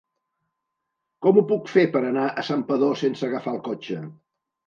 Com ho puc fer per anar a Santpedor sense agafar el cotxe?